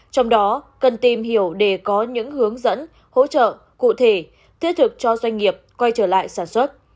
trong đó cần tìm hiểu để có những hướng dẫn hỗ trợ cụ thể thiết thực cho doanh nghiệp quay trở lại sản xuất